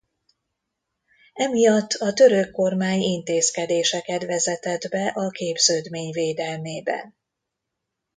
Emiatt a török kormány intézkedéseket vezetett be a képződmény védelmében.